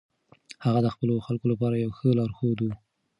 هغه د خپلو خلکو لپاره یو ښه لارښود و.